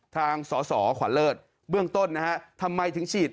ทางสอสอขวานเลิศเบื้องต้นทำไมถึงฉีด